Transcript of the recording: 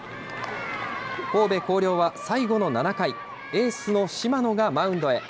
神戸弘陵は最後の７回、エースの島野がマウンドへ。